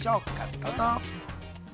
どうぞ。